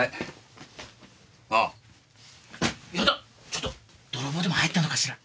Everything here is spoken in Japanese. ちょっと泥棒でも入ったのかしら？